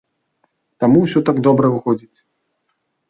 Таму ўсё так добра выходзіць.